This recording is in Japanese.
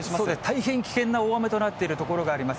大変危険な大雨となっている所があります。